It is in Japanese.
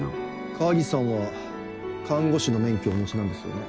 川岸さんは看護師の免許をお持ちなんですよね？